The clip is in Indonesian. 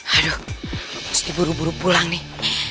aduh mesti diburu buru pulang nih